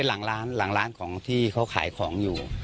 หลังร้านของที่เขาขายของอยู่